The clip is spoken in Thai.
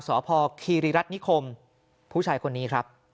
สพคีรีรัฐนิคมผู้ชายคนนี้ครับ